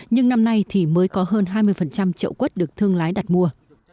nhưng năm nay thì mới có hơn hai mươi trậu quất được thương lái đặt mua